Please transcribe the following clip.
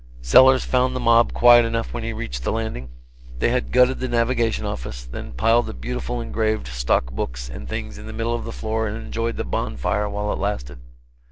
Sellers found the mob quiet enough when he reached the Landing. They had gutted the Navigation office, then piled the beautiful engraved stock books and things in the middle of the floor and enjoyed the bonfire while it lasted.